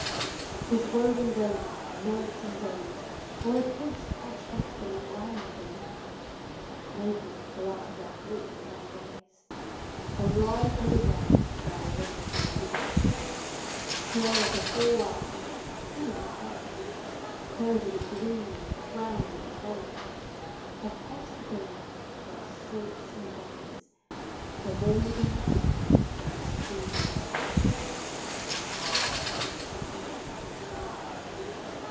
This woven raiment of nights and days. Were it once cast off and unwound from me, Naked and glad would I walk in thy ways, Alive and aware of thy waves and thee; Clear of the whole world, hidden at home, Clothed with the green, and crowned with the foam, A pulse of the life of thy straits and bays, A vein in the heart of the streams of the Sea.